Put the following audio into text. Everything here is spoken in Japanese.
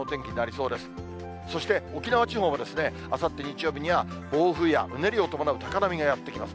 そして沖縄地方はあさって日曜日には暴風やうねりを伴う高波がやって来ます。